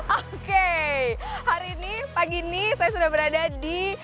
oke hari ini pagi ini saya sudah berada di